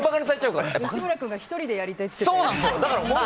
吉村君が１人でやりたいって言ってたよ。